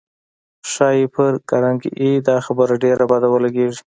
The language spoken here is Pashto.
ښایي پر کارنګي دا خبره ډېره بده ولګېږي